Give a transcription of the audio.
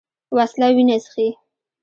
وسله وینه څښي